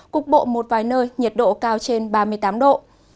cục bộ một vài nơi nhiệt độ cao trên ba mươi tám độ